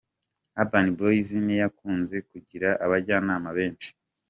Urban Boyz ntiyakunze kugira abajyanama benshi.